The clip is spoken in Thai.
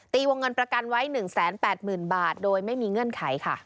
วงเงินประกันไว้๑๘๐๐๐บาทโดยไม่มีเงื่อนไขค่ะ